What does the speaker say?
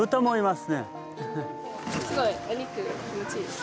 すごいお肉気持ちいいです。